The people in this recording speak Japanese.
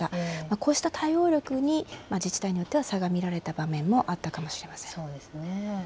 こうした対応力に、自治体によっては差が見られた場面もあったかもしれません。